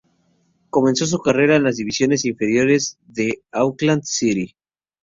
Comenzó su carrera en las divisiones inferiores del Auckland City.